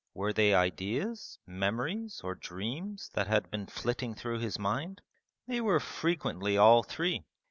Were they ideas, memories, or dreams that had been flitting through his mind? They were frequently all three.